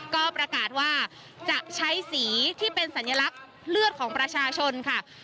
ก็ประกาศว่าจะใช้สีที่เป็นสัญลักษณ์เลือดของประชาชนค่ะ